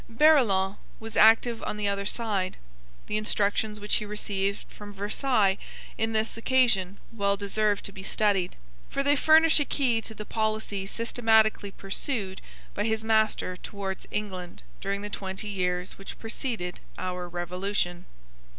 Barillon was active on the other side. The instructions which he received from Versailles on this occasion well deserve to be studied; for they furnish a key to the policy systematically pursued by his master towards England during the twenty years which preceded our revolution.